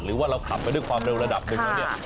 หรือว่าเราขับไปด้วยความเร็วระดับหนึ่งแล้วเนี่ย